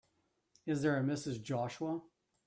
Is there a Mrs. Joshua?